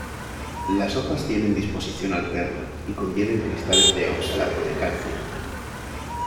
Las hojas tienen disposición alterna y contienen cristales de oxalato de calcio.